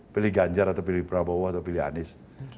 pilih ganjar atau pilih prabowo atau pilih anies